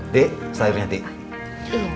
dik sayurnya dik